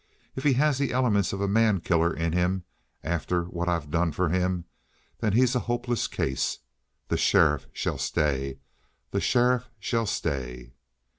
If he has the elements of a mankiller in him after what I've done for him, then he's a hopeless case. The sheriff shall stay! The sheriff shall stay!"